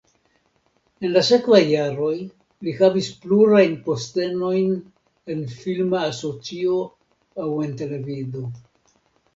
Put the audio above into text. En la sekvaj jaroj li havis plurajn postenojn en filma asocio aŭ en televido.